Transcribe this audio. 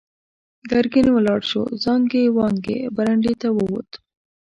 ګرګين ولاړ شو، زانګې وانګې برنډې ته ووت.